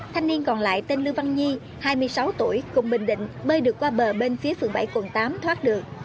thanh niên còn lại tên lưu văn nhi hai mươi sáu tuổi cùng bình định bơi được qua bờ bên phía phường bảy quận tám thoát được